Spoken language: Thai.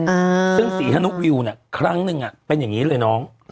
อ่าซึ่งศรีฮนุวิวน่ะครั้งหนึ่งอ่ะเป็นอย่างงี้เลยน้อง